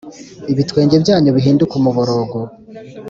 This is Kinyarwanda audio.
Ibitwenge byanyu bihinduke umuborogo